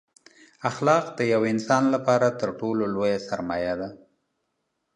اخلاق دیوه انسان لپاره تر ټولو لویه سرمایه ده